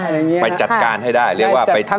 ไปจัดการให้ได้